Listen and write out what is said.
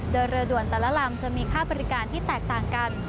โดยเรือด่วนแต่ละลำจะมีค่าบริการที่แตกต่างกัน